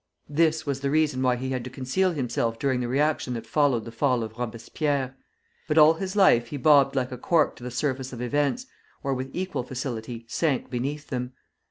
This was the reason why he had to conceal himself during the reaction that followed the fall of Robespierre. But all his life he bobbed like a cork to the surface of events, or with equal facility sank beneath them.